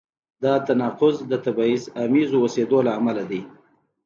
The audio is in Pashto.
دا تناقض د تبعیض آمیز اوسېدو له امله دی.